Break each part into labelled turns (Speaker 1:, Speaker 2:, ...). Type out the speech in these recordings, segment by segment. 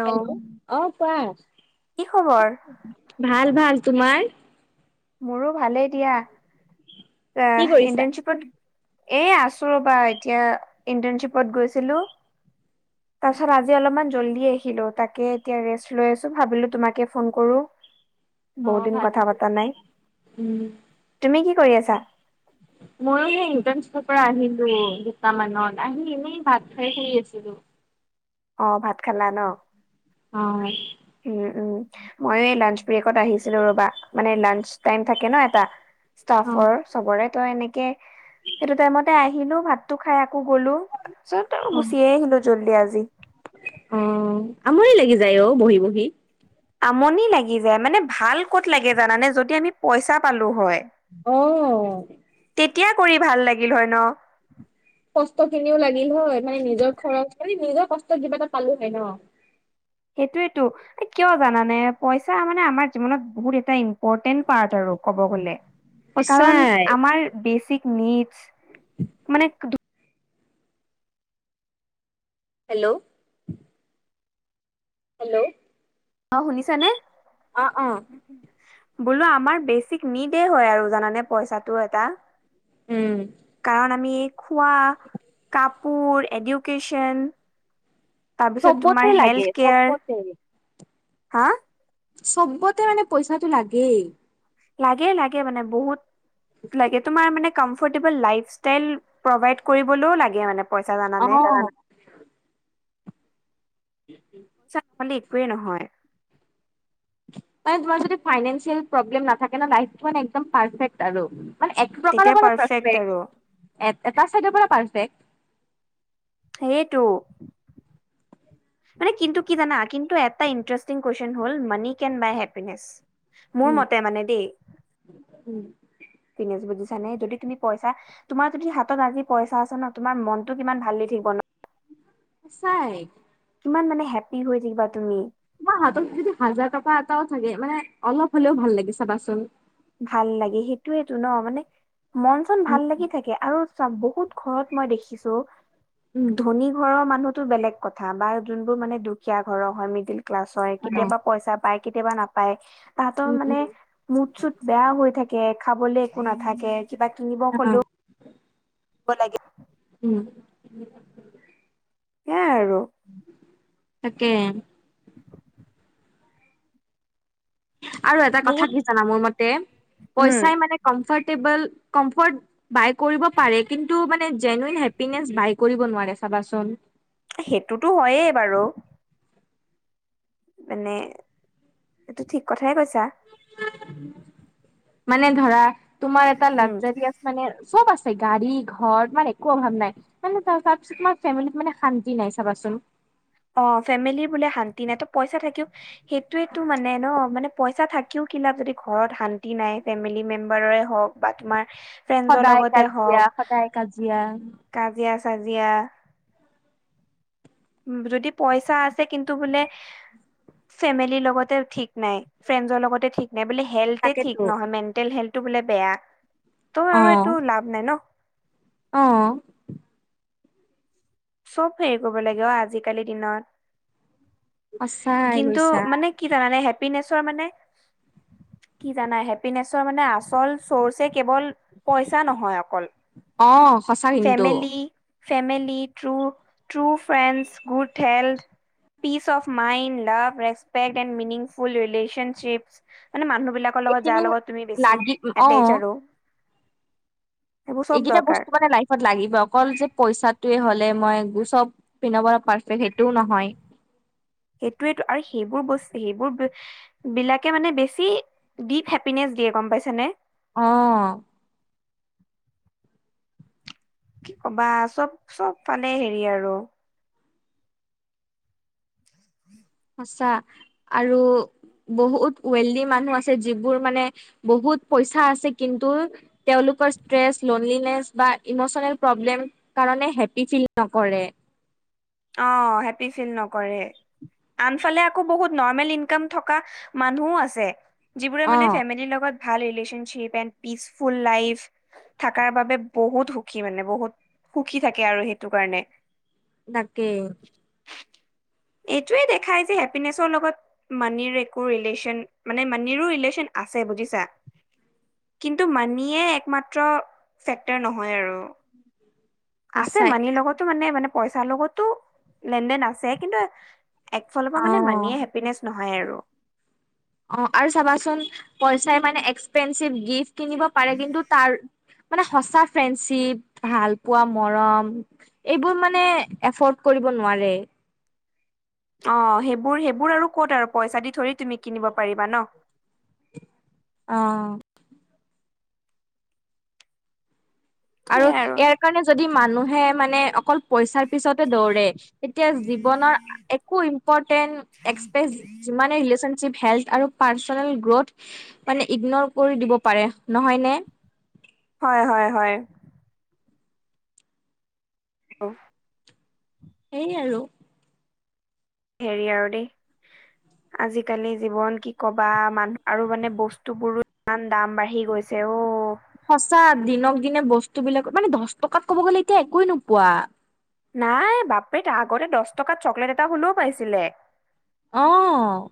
Speaker 1: Hello অ কোৱা?
Speaker 2: কি খবৰ?
Speaker 1: ভাল ভাল। তোমাৰ?
Speaker 2: মোৰো ভালেই দিয়া।
Speaker 1: কি কৰিছা
Speaker 2: ইণ্টাৰ্ণশ্বিপত এ আছো ৰ'বা, এতিয়া ইন্টাৰ্ণশ্বিপত গৈছিলোঁ। তাৰ পিছত আজি অলমান জলদি আহিলো তাকে এতিয়া ৰেষ্ট লৈ আছো ভাবিলো তোমাকে ফোন কৰোঁ।
Speaker 1: অ
Speaker 2: বহুত দিন
Speaker 1: ভালেই
Speaker 2: কথা পতা নাই।
Speaker 1: উম।
Speaker 2: তুমি কি কৰি আছা?
Speaker 1: মইয়ো সেই ইন্টাৰ্ণশ্বিপত পৰা আহিলো, দুটামানত আহি এনেই ভাত খাই শুই আছিলো। [unintelligible]
Speaker 2: অ', ভাত খালা ন?
Speaker 1: অ',
Speaker 2: উম, উম, ময়ো এই লাঞ্চ ব্ৰেকত আহিছিলো ৰ'বা, মানে লাঞ্চ টাইম থাকে ন এটা।
Speaker 1: অ
Speaker 2: ষ্টাফৰ চবৰে, তই এনেকে, সেইটো টাইমতে আহিলো ভাতটো খাই আ কৌ গলো, তাৰপিছত
Speaker 1: অ
Speaker 2: গুচিয়ে আহিলো জল্দি আজি।
Speaker 1: অ আমনি লাগি যায় অ, বহি বহি।
Speaker 2: আমনি লাগি যায় মানে ভাল ক'ত লাগে জানানে যদি আমি পইচা পালো হয়।
Speaker 1: অ',
Speaker 2: তেতিয়া কৰি ভাল লাগিল হয় ন?
Speaker 1: কষ্ট খিনিও লাগিল হয় মানে, নিজৰ খৰচ, মানে নিজৰ কষ্টত কিবা এটা পালো হয় ন?
Speaker 2: সেইটোৱেটো আহ কিয় জানানে পইচা মানে আমাৰ জীৱনত বহুত এটা ইম্পৰ্টেণ্ট পাৰ্ট আৰু। ক'ব গলে, কাৰণ
Speaker 1: সঁচাই
Speaker 2: আমাৰ বেচিক নিডছ।
Speaker 1: হেল্ল' হেল্ল'
Speaker 2: অ', শুনিছা নে?
Speaker 1: অ অ
Speaker 2: বোলো আমাৰ বেচিক নিদেই হয় আৰু জানানে পইচাটো এটা।
Speaker 1: উম
Speaker 2: কাৰণ আমি খোৱা, কাপোৰ, এডুকেশ্যন। তাৰপিছত
Speaker 1: চবতে
Speaker 2: তোমাৰ
Speaker 1: লাগে
Speaker 2: হেল্থ কেয়াৰ,
Speaker 1: চবতে
Speaker 2: হা?
Speaker 1: চব্বতেই মানে পইচাটো লাগেই।
Speaker 2: লাগে- লাগে মানে বহুত লাগে তোমাৰ মানে কমফৰটেবল লাইফ ষ্টাইল প্ৰভাইত কৰিবলেও লাগে মানে পইচা জানানে
Speaker 1: অ
Speaker 2: চা নহলে একোৱেই নহয়।
Speaker 1: মানে তোমাৰ যদি ফাইনেন্সিয়েল প্ৰব্লেম নাথাকে ন' লাইফটো মানে একদম পাৰফেক্ট আৰু। মানে এক প্ৰকাৰৰ
Speaker 2: তেতিয়া
Speaker 1: পৰা
Speaker 2: পাৰফেক্ট আৰু
Speaker 1: পাৰফেক্ট, এটা চাইডৰ পৰা পাৰফেক্ট।
Speaker 2: সেইটো। মানে কিন্তু কি জানা কিন্তু এটা ইণ্টাৰেষ্টিং কুৱেশন হল, মানি কেন বাই হে্পিনেচ। মোৰ
Speaker 1: উম
Speaker 2: মতে মানে দেই।
Speaker 1: উম।
Speaker 2: বুজিছানে যদি তুমি পইচা, তোমাৰ যদি হাতত আজি পইচা আছে ন' তোমাৰ মনটো কিমান ভাল লাগি থাকিব ন' [unintelligible]
Speaker 1: সচাঁই।
Speaker 2: কিমান মানে হেপ্পী হৈ থাকিবা তুমি।
Speaker 1: তোমাৰ হাতত যদি হাজাৰ টকা এটাও থাকে মানে, অলপ হলেও ভাল লাগে চাবাচোন।
Speaker 2: ভাললাগে, সেইটোৱেটো ন' মানে মন চন
Speaker 1: উম
Speaker 2: ভাল লাগি থাকে আৰু বহুত ঘৰত মই দেখিছোঁ।
Speaker 1: উম
Speaker 2: ধনী ঘৰৰ মানুহ টো বেলেগ কথা বা যোনবোৰ মানে দুখীয়া ঘৰৰ হয় মিডিল ক্লাছ হয়
Speaker 1: অ
Speaker 2: কেতিয়াবা পইচা পাই কেতিয়াবা নাপায়, তাহাতৰ
Speaker 1: উম উম
Speaker 2: মানে, মুদ চুত বেয়া হৈ থাকে খাবলে একো নাথাকে, কিবা কিনিবও
Speaker 1: অ
Speaker 2: হ'লেও [unintelligible]
Speaker 1: উম,
Speaker 2: সেয়াই আৰু।
Speaker 1: তাকে। আৰু এটা কথা
Speaker 2: বহুত
Speaker 1: কি জানা মোৰ মতে,
Speaker 2: উম
Speaker 1: পইচাই মানে কম [unintelligible] কম্ফৰ্ট বাই কৰিব পাৰে কিন্তু মানে জেনুইন হেপীনেছ বাই কৰিব নোৱাৰে। দে চাবা চোন
Speaker 2: সেইটোতো হয়েই বাৰু এনে, এইটো ঠিক কথাই কৈছে
Speaker 1: মানে ধৰা, তোমাৰ এটা
Speaker 2: উম
Speaker 1: লাগজাৰীযাচ মানে চব আছে গাড়ী, ঘৰ মানে একো অভাৱ নাই, মানে তাৰ তাৰপিছত তোমাৰ ফেমিলিত মানে শান্তি নাই চাবা চোন হ [unintelligible]
Speaker 2: অহ ফেমিলি বোলে শান্তি নাই, ত পইচা থাকিও সেইটোৱে টো মানে ন মানে পইচা থা থাকিও কি লাভ যদি ঘৰত শান্তি নাই ফেমিলি মেম্বাৰৰে হওক বা তোমাৰ ফ্ৰেন্ছৰ
Speaker 1: সদায়
Speaker 2: লগতে
Speaker 1: কাজিয়া
Speaker 2: হওক,
Speaker 1: সদায় কাজিয়া
Speaker 2: কাজিয়া-চাজিয়া যদি পইচা আছে কিন্তু বোলে ফেমিলিৰ লগতে ঠিক নাই, ফ্ৰেণ্ডৰ লগতে ঠিক নে বোলে হেল্থ
Speaker 1: তাকেতো
Speaker 2: ঠিক নহয় মেণ্টেল হেল্থটো বোলে বেয়া, ত' আৰু এইটো লাভ নাই ন?
Speaker 1: অহ।
Speaker 2: চব হেৰি কৰিব লাগে অ আজিকালিৰ দিনত
Speaker 1: সঁচাই
Speaker 2: কিন্তু
Speaker 1: কৈছা
Speaker 2: মানে কি জানানে হেপিনেচৰ মানে কি জানা, হেপিনেচৰ মানে আচল চৰ্চ কেৱল পইচা নহয় অকল
Speaker 1: অহ, সঁচা কিন্তু
Speaker 2: family family, true- true friend, good health peace of mind, love, respect and meaningful relationship মানে মানুহ বিলাকৰ লগত
Speaker 1: এইখিনি
Speaker 2: যাৰ লগত তুমি বেছি
Speaker 1: লাগি অ
Speaker 2: এৰ্টছ আৰু সেইবোৰ চব
Speaker 1: এইকেইটা
Speaker 2: দৰকাৰ
Speaker 1: বস্তু মানে লাইফত লাগিব অকল যে পইচাটোৱে হলে মই চব পিনৰ পৰা পাৰফেক্ট সেইটোও নহয়
Speaker 2: [unintelligible] সেইটোৱেটো আৰু সেইবোৰ বস্তু সেইবোৰ বিলাকে মানে বেছি দ্বীপ হেপপিনেছ দিয়ে গম পাইছে নে
Speaker 1: অহ
Speaker 2: কি কবা চব চব ফালে হেৰি আৰু
Speaker 1: সঁচা আৰু বহুত ৱেলডি মানুহ আছে যিবোৰ মানে বহুত পইচা আছে কিন্তু তেওঁলোক ফাৰ্ষ্ট ষ্ট্ৰেছ, লনলিনেছ বা ইম'চনেল প্ৰব্লেম কাৰণে হেপ্পী ফিল নকৰে
Speaker 2: অহ, হেপ্পী ফিল নকৰে আনফালে আকৌ বহুত নৰ্মেল ইনকাম থকা মানুহো আছে যিবোৰে
Speaker 1: অ
Speaker 2: মানে ফেমিলিৰ লগত ভাল ৰিলেশনশ্বিপ এণ্ড পিচফুল লাইফ থাকাৰ বাবে বহুত সুখী মানে বহুত সুখী থাকে আৰু সেইটো কাৰণে
Speaker 1: তাকেই।
Speaker 2: এইটোৱে দেখাই যে হেপ্পীনেচৰ লগত মানিৰ একো ৰিলেশ্বন- মানে মানিৰো ৰিলেশ্বন আছে বুজিছা কিন্তু মানিয়ে একমাত্ৰ ফেক্টৰ নহয় আৰু আছে
Speaker 1: সঁচাই
Speaker 2: মানিৰ লগতো মানে মানে পইচাৰ লগতো, লেন- দেন আছে কিন্তু একফালৰ
Speaker 1: অ
Speaker 2: পৰা মানে মানিয়ে হেপ্পীনেছ নহয় আৰু
Speaker 1: অহ আৰু চাবাচোন পইচাই মানে এক্সপেঞ্চিভ গিফ্ট কিনিব পাৰে কিন্তু তাৰ মানে সঁচা ফ্ৰেণ্ডচিপ, ভাল পোৱা মৰম এইবোৰ মানে এফৰ্ড- কৰিব নোৱাৰে।
Speaker 2: অঁ, সেইবোৰ -সেইবোৰ আৰু ক'ত আৰু পইচা দি থৰি তুমি কিনিব পাৰিবা ন'। [unintelligible]
Speaker 1: অঁ। আৰু ইয়াৰ কাৰণে যদি মানুহে মানে অকল- পইচাৰ পিছতে দৌৰে তেতিয়া জীৱনৰ একো ইম্পৰ্টেন্ট, এক্সপেচ- যিমানে ৰিলেশনশ্বিপ- হেল্প আৰু পাৰ্চনেল গ্ৰৰ্থ মানে ইগনৰ কৰি দিব পাৰে নহয় নে।
Speaker 2: হয় হয় হয়। অঁ।
Speaker 1: এই আৰু।
Speaker 2: হেৰি আৰু দেই। আজিকালি জীৱন কি কবা মানুহ আৰু মানে বস্তু বোৰো ইমান দাম বাঢ়ি গৈছে অ।
Speaker 1: সঁচা, দিনক দিনে বস্তু বিলাকত মানে দ'হ টকাত ক'ব গ'লে এতিয়া একোৱে নোপোৱা।
Speaker 2: নাই বাপৰে তাৰ আগতে দছ টকাত চকলেট এটা হ'লেও পাইছিলে।
Speaker 1: অঁ।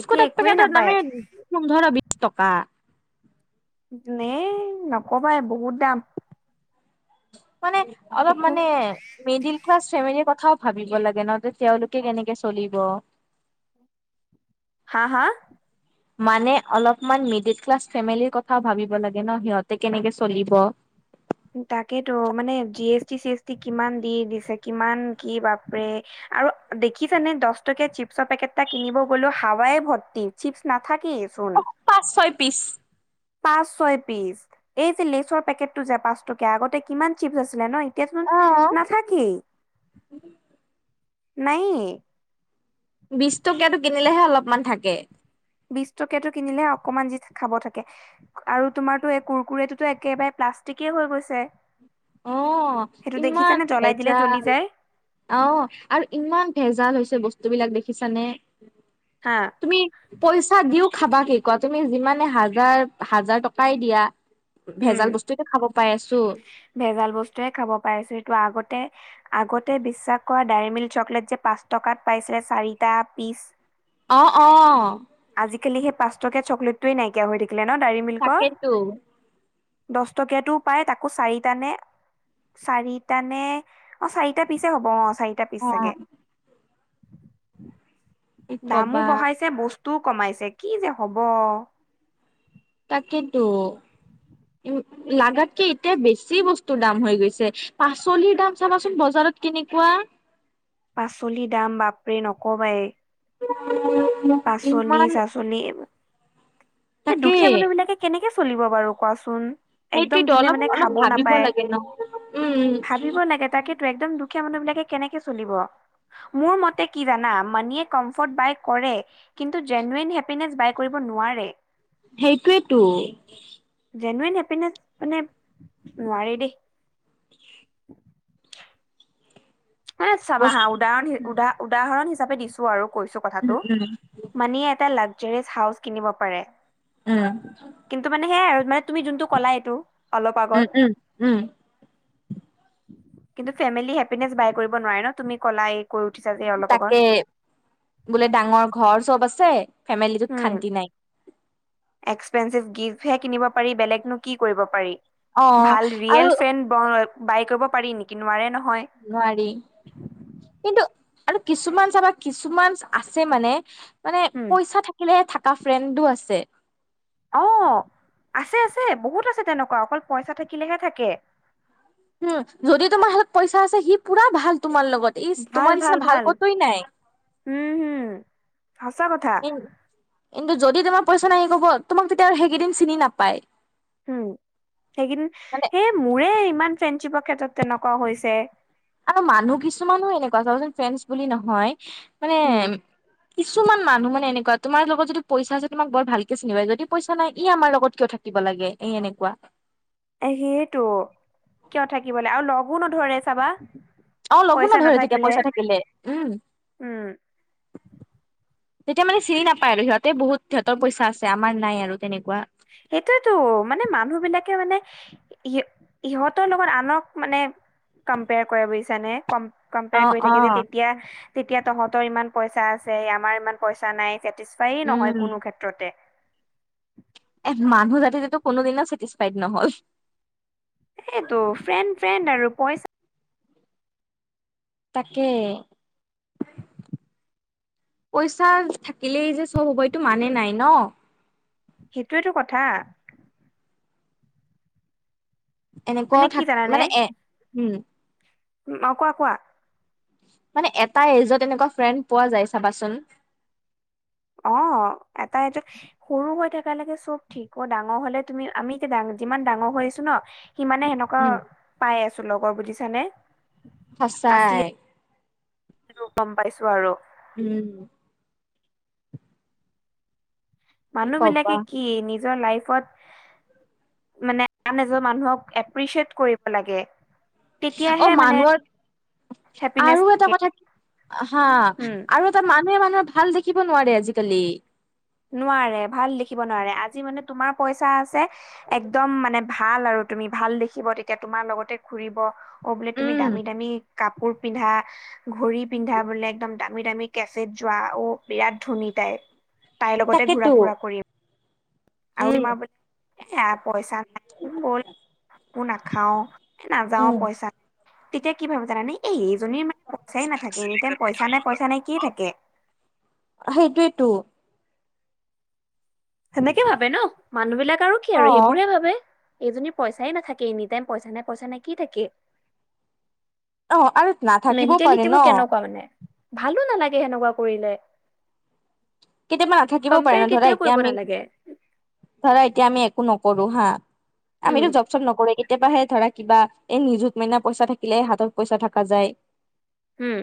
Speaker 2: এতিয়া
Speaker 1: এক
Speaker 2: একোৱেই
Speaker 1: পেকেটৰ
Speaker 2: নাপায়
Speaker 1: দামে পোন্ধৰ বিশ টকা।
Speaker 2: নে নকবাই বহুত দাম।
Speaker 1: মানে অলপ
Speaker 2: একো
Speaker 1: মানে মিডিল ক্লাচ ফেমেলিৰ কথা কথাও ভাবিব লাগে ন তে তেওঁলোকে কেনেকে চলিব।
Speaker 2: আ হাঁ?
Speaker 1: মানে অলপমান মিডিল ক্লাছ ফেমিলিৰ কথাও ভাবিব লাগে ন' সিহঁতে কেনেকে চলিব।
Speaker 2: তাকেটো, মানে জি-এছ-টি, চি-এছ-টি কিমান দি দিছে। কিমান কি বাপৰে। আৰু দেখিছানে দ'ছ টকীয়া চিপছৰ পেকেট এটা কিনিব গ'লেই হাৱাই ভৰ্তি, চিপছ নাথাকেই।
Speaker 1: অ
Speaker 2: চোন।
Speaker 1: পাঁচ ছয় পিছ।
Speaker 2: পাঁচ-ছয় পিচ, এই যে লেচৰ পেকেটটো যে পাঁচ টকীয়া আগতে কিমান চিপছ আছিলে ন' এ এতিয়াচোন নাথাকেই, নাইয়ে।
Speaker 1: বিশ টকীয়াটো কিনিলেহে অলপমান থাকে।
Speaker 2: বিশ টকীয়াটো কিনিলেহে অকণমান যি খাব থাকে আৰু তোমাৰটো এই কুৰকুৰিটো একেবাৰে প্লা ষ্টিকেই হৈ গৈছে।
Speaker 1: অঁ
Speaker 2: সেইটো
Speaker 1: ইমান
Speaker 2: দেখিছানে জ্বলাই দিলে জ্বলি
Speaker 1: ভেজাল।
Speaker 2: যায়
Speaker 1: অঁ আৰু ইমান ভেজাল হৈছে বস্ এইবিলাক দেখিছানে?
Speaker 2: হা
Speaker 1: তুমি পইচা দিও খাবা কি কোৱা তুমি যিমানে হাজাৰ হাজাৰ টকাই দিয়া
Speaker 2: উম
Speaker 1: ভেজাল বস্তুয়েটো খাব পাই আছো।
Speaker 2: টোৱে খাব পাইছে ত' আগতে আগতে বিশ্বাস কৰা ডেৰিমিল্ক চকলেট যে পাঁচ টকাত পাইছিল চাৰিটা পিছ
Speaker 1: অঁ অঁ।
Speaker 2: কালি সেই পাঁচ টকীয়া চকলেটটোৱে নাইকিয়া হৈ থাকিলে ন' ডেৰিমিল্কৰ।
Speaker 1: তাকেতো
Speaker 2: দছ টকীয়াটো পাই তাকো চাৰিটা নে চাৰিটা নে! অঁ চাৰিটা পিচে হ'ব অঁ চাৰিটা
Speaker 1: অ
Speaker 2: পিচ চাগে।
Speaker 1: কি
Speaker 2: দামো
Speaker 1: কবা
Speaker 2: বঢ়াইছে বস্তুও কমাইছে কি যে হ'ব।
Speaker 1: তাকেটো। লাগাতকে এতিয়া বেছি বস্তুৰ দাম হৈ গৈছে পাচলিৰ দাম চাবাচোন বজাৰ ত কেনেকুৱা
Speaker 2: পাচলিৰ দাম বাপৰে নকবাই।
Speaker 1: ইমান
Speaker 2: পাচনি-চাচনি এই এ
Speaker 1: তাকে
Speaker 2: দুখীয়া মানুহ বিলাকে কেনেকে চলিব বাৰু কোৱাচোন একদম
Speaker 1: সেইটোৱেতো
Speaker 2: যোনে
Speaker 1: অলপ
Speaker 2: মানে
Speaker 1: অলপ
Speaker 2: খাব
Speaker 1: ভাবিব
Speaker 2: নাপায়
Speaker 1: লাগে ন উম উম
Speaker 2: ভাবিব লাগে তাকেতো একদম দু দুখীয়া মানুহ বিলাকে কেনেকে চলিব মোৰ মতে কি যানা মানিয়ে কমফট বাই কৰে কিন্তু জেনোৱেল হেপিনেচ বাই কৰিব নোৱাৰে
Speaker 1: সেইটোৱেইতো
Speaker 2: জেনুৱেন হেপিনেচ মানে নোৱাৰে দেই [unintelligible] মানে চাবা হা
Speaker 1: বস্তু
Speaker 2: উদাহৰণ উদাহ উদাহৰণ হিচাপে দিছো আৰু কৈছো
Speaker 1: উম
Speaker 2: কথাটো মানিয়ে এটা লাক জাৰিচ হাউচ কিনিব পাৰে
Speaker 1: উম
Speaker 2: কিন্তু মানে সেয়াই আৰু মানে তুমি যোনটো কলা এইটো অলপ
Speaker 1: উম উম
Speaker 2: আগত
Speaker 1: উম উম
Speaker 2: কিন্তু ফেমিলি হেপিনেচ বাই কৰিব নোৱাৰে ন তুমি কলাই
Speaker 1: তাকে বোলে ডাঙৰ ঘৰ চব আছে ফেমিলিটোত শান্তি নাই
Speaker 2: ফেণ্ডশ্বিপ গিভহে কিনিব পাৰি বেলেগনো কি কৰিব পাৰি
Speaker 1: অ
Speaker 2: ভাল
Speaker 1: আৰু
Speaker 2: ৰিয়েল ফেন ব বাই কৰিব পাৰি নিকি নোৱাৰে নহয়
Speaker 1: নোৱাৰি কিন্তু আৰু কিছুমান চাবা কিছুমান আছে মানে মানে
Speaker 2: উম
Speaker 1: পইচা থাকিলেহে থাক কা ফ্ৰেণ্ডো আছে
Speaker 2: অ আছে আছে বহুত আছে তেনেকুৱা অকল পইচা থাকিলেহে থাকে
Speaker 1: উম! যদি তোমাৰ হাতত পইচা আছে সি পুৰা ভাল তোমাৰ লগত। ইচ! তোমাৰ নিচিনা ভাল ক'তোৱেই নাই।
Speaker 2: উম হম সঁচা কথা
Speaker 1: কিন্তু যদি তোমাৰ পইচা নাই কবা তোমাক তেতিয়া আৰু সেইকেইদিন চিনি নাপায়
Speaker 2: উম সেইকেইদিন
Speaker 1: মানে
Speaker 2: সেই মোৰে ইমান ফ্ৰেণ্ডশ্বিপৰ ক্ষেত্ৰত তেনেকুৱা হৈছে
Speaker 1: আৰু মানুহ কিছুমানো এনেকুৱা চাবাচোন ফ্ৰেঞ্চ বুলি নহয় মানে
Speaker 2: উম
Speaker 1: কিছুমান মানুহ মানে এনেকুৱা তোমাৰ লগত যদি পইচা আছে তোমাক বৰ ভালকে চিনি পাই যদি পইচা নাই ই আমাৰ লগত কিয় থাকিব ব লাগে এই এনেকুৱা
Speaker 2: এ সেইটো কিয় থাকিব লাগ আৰু লগো নধৰে চাবা
Speaker 1: অ লগো
Speaker 2: পইচা
Speaker 1: নধৰে তেতিয়া
Speaker 2: নাথাকিলে
Speaker 1: পইচা থাকিলে উম
Speaker 2: উম
Speaker 1: তেতিয়া মানে চিনি নাপায় আৰু সিহঁতে বহুত সিহঁতৰ পইচা আছে আমাৰ নাই আৰু তেনেকুৱা
Speaker 2: সেইটোয়েতো মানে মানুহ বিলাকে মানে ইয়ে ইহঁতৰ লগত আনক মানে কম্পেয়াৰ কৰে বুজিছানে কম্প কম্পেয়াৰ
Speaker 1: অ',
Speaker 2: কৰি থাকি যে
Speaker 1: অ',
Speaker 2: তেতিয়া তেতিয়া তহঁতৰ ইমান পইচা আছে আমাৰ ইমান পইচা নাই যে টিচফাই নহয়
Speaker 1: উম,
Speaker 2: কোনো ক্ষেত্ৰতে
Speaker 1: এ মানুহ জাতি টো কোনোদিনো ছেটিছফাইড নহল
Speaker 2: সেইটো ফ্ৰেণ্ড ফ্ৰেণ্ড আৰু পইচা
Speaker 1: তাকে পইচা থাকিলেই যে চব হ'ব এইটো মানে নাই ন
Speaker 2: সেইটোৱো কথা মানে
Speaker 1: এনেকুৱাও
Speaker 2: কি
Speaker 1: থাক মানে এ উম
Speaker 2: উ অ কোৱা কোৱা
Speaker 1: মানে এটা এজত এনেকুৱা ফ্ৰেণ্ড পোৱা যায় চাবাচোন
Speaker 2: অ এটা এইটো সৰু হৈ থাক এতিয়ালেকে চব ঠিক। ডাঙৰ হ'লে তুমি, আমি এতিয়া, যিমান ডাঙৰ হৈ আহিছোঁ ন' সিমানে সেনেকুৱা
Speaker 1: উম
Speaker 2: পাই আছোঁ, লগৰ বুজিছানে? আচলি
Speaker 1: সঁচাই!
Speaker 2: গম পাইছোঁ আৰু।
Speaker 1: উম! কি
Speaker 2: মানুহ
Speaker 1: কবা
Speaker 2: বিলাকে কি? নিজৰ লাইফত মানে, আন এজন মানুহক, এপ্ৰিচিয়েট কৰিব লাগে।
Speaker 1: অ
Speaker 2: তেতিয়াহে মানে,
Speaker 1: মানুহৰ
Speaker 2: হেপিনেচ
Speaker 1: আৰু এটা
Speaker 2: থাকে
Speaker 1: কথা, হা!
Speaker 2: উম
Speaker 1: আৰু এটা মানুহে মানুহৰ ভাল দেখিব নোৱাৰে আজিকালি।
Speaker 2: নোৱাৰে, ভাল দেখিব নোৱাৰে। আজি মানে, তোমাৰ পইচা আছে, একদম মানে ভাল আৰু। তুমি ভাল দেখিব তেতিয়া তোমাৰ লগতে ঘুৰিব। অ', বোলে তুমি
Speaker 1: উম
Speaker 2: দামী, দামী কাপোৰ পিন্ধা, ঘড়ী পিন্ধা বোলে, একদম দামী, দামী কেফেত যোৱা। অ', বিৰাট ধনী! তাইৰ, তাই লগতে ঘূৰা
Speaker 1: তাকেতো
Speaker 2: ফুৰা কৰিম। আৰু
Speaker 1: উম
Speaker 2: [unintelligible] এয়া পইচা নাই! ব'ল। একো নাখাওঁ। নাযাওঁ
Speaker 1: উম
Speaker 2: পইচা, তেতিয়া কি ভাৱে জানানে? এই, এইজনীৰ মানে, পইচাই নাথাকে। এনি টাইম পইচা নাই, পইচা নাই, কিয়ে থাকে।
Speaker 1: সেইটোৱেতো!
Speaker 2: সেনেকে ভাৱে ন'? মানুহ বিলাক আৰু কি
Speaker 1: অ
Speaker 2: আৰু সেইবোৰে ভাৱে! এইজনী পইচাই নাথাকে! এনি টাইম পইচা নাই, পইচা নাই, কি থাকে?
Speaker 1: অ আৰু নাথাকিবও পাৰে ন
Speaker 2: মেণ্টেলিটিবোৰ কেনেকুৱা মানে? ভালো নালাগে সেনেকুৱা কৰিলে।
Speaker 1: কেতিয়াবা নাথাকিবও পাৰে
Speaker 2: কম্পেয়াৰ
Speaker 1: ন'! ধৰা
Speaker 2: কেতিয়াও
Speaker 1: এতিয়া
Speaker 2: কৰিব
Speaker 1: আমি,
Speaker 2: নালাগে
Speaker 1: ধৰা এতিয়া আমি, একো নকৰোঁ হা!
Speaker 2: উম
Speaker 1: আমিতো, জব চব নকৰোঁ। কেতিয়বাহে ধৰা, কিবা এই, নিযুত মইনা পইচা থাকিলে, হাতত পইচা থকা যায়।
Speaker 2: উম